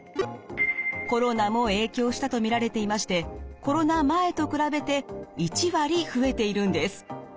コロナも影響したと見られていましてコロナ前と比べて１割増えているんです。